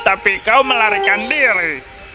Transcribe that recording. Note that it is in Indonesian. tapi kau melarikan diri